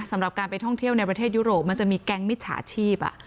สำหรับการไปท่องเที่ยวในประเทศยุโรปมันจะมีแก๊งมิจฉาชีพ